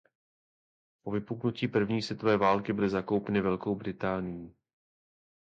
Po vypuknutí první světové války byly zakoupeny Velkou Británií.